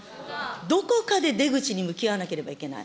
どこかで出口に向き合わなければいけない。